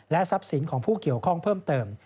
ทรัพย์สินของผู้เกี่ยวข้องเพิ่มเติม